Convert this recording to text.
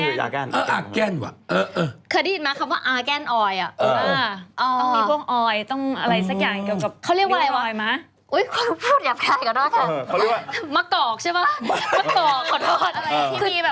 เออเออเออเออเออเออเออเออเออเออเออเออเออเออเออเออเออเออ